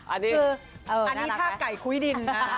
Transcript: อันนี้ถ้าไก่คุ้ยดิน